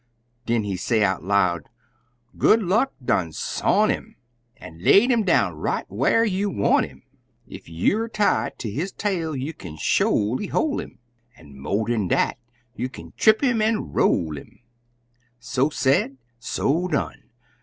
Den he say out loud, "Good luck done sont 'im, An' laid 'im down right whar you want 'im! Ef youer tied ter his tail, you kin sholy hol' 'im, An' mo' dan dat, you kin trip 'im an' roll 'im!" So said, so done!